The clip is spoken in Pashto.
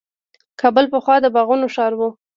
کابل پخوا د باغونو ښار و.